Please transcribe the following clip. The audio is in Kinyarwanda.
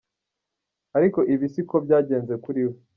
Ariko ibi si ko byagenze kuri we.